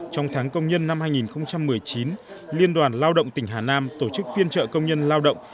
trong tháng công nhân năm hai nghìn một mươi chín liên đoàn lao động tỉnh hà nam tổ chức phiên trợ công nhân lao động